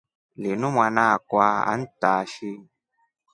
Linu mwanaakwa antaashi.